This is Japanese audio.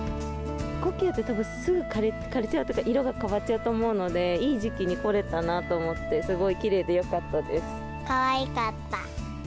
コキアってたぶんすぐ枯れちゃうというか、色が変わっちゃうと思うので、いい時期に来れたなと思って、すごいきれいでよかったです。